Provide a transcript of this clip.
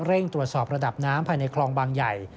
เร่งตรวจสอบระดับน้ำภายในคลองบางใหญ่